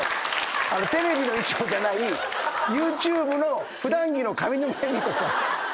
テレビの衣装じゃないＹｏｕＴｕｂｅの普段着の上沼恵美子さん。